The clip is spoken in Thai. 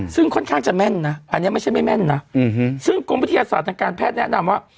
ซึ่งค่อนข้างจะแม่นนะอันนี้ไม่ใช่ไม่แม่นนะซึ่งกรมวิทยาศาสตร์ทางการแพทย์แนะนำว่า